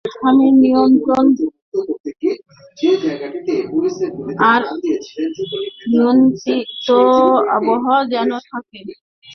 আর নিয়ন্ত্রিত আবহাওয়া যেন থাকে।